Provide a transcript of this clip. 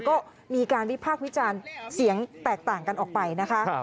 ก็มีการวิพากษ์วิจารณ์เสียงแตกต่างกันออกไปนะคะ